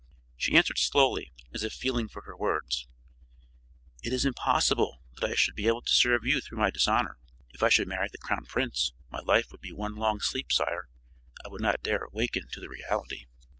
She answered slowly, as if feeling for her words: "It is impossible that I should be able to serve you through my dishonor. If I should marry the crown prince, my life would be one long sleep, sire. I would not dare awaken to the reality."